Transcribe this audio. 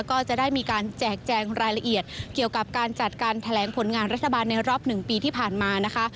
ก็จะได้มีการแจกแจงรายละเอียดเกี่ยวกับการจัดการแถลงผลงานรัฐบาลในรอบ๑ปีที่ผ่านมานะคะ